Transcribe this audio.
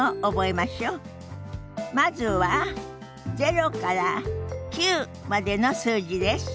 まずは０から９までの数字です。